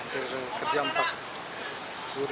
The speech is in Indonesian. terkerja untuk beres